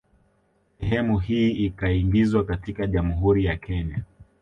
Sehemu hii ikaingizwa katika Jamhuri ya Kenya